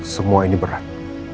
semua ini berat